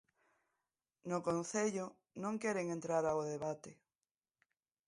No Concello non queren entrar ao debate.